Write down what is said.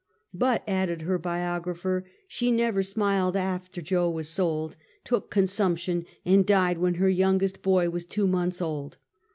"But," added her biographer, "she never smiled af ter Jo was sold, took consumption and died when her youngest boy was two months old.